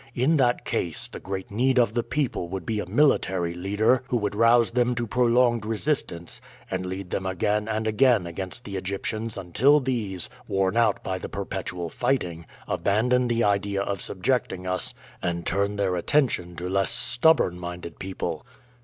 In that case the great need of the people would be a military leader who would rouse them to prolonged resistance and lead them again and again against the Egyptians until these, worn out by the perpetual fighting, abandon the idea of subjecting us and turn their attention to less stubborn minded people.